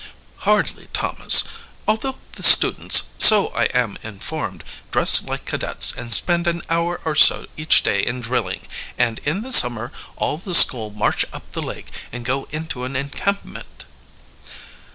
"Hardly, Thomas, although the students, so I am informed, dress like cadets and spend an hour or so each day in drilling, and in the summer all the school march up the lake and go into an encampment."